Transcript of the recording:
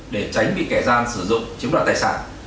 để tránh bị kẻ gian sử dụng chiếm đoạt tài sản